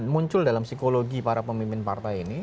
muncul dalam psikologi para pemimpin partai ini